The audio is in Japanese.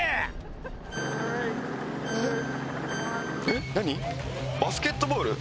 えっ何バスケットボール？